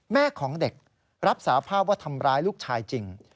แม่ของเด็กรับสาภาพว่าทำร้ายลูกชายจริง